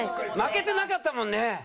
負けてなかったもんね。